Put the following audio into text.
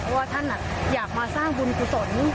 เพราะว่าท่านอยากมาสร้างบุญกุศล